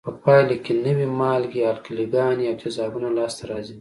په پایله کې نوې مالګې، القلي ګانې او تیزابونه لاس ته راځي.